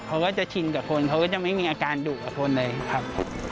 เขาก็จะชินกับคนเขาก็จะไม่มีอาการดุกับคนเลยครับ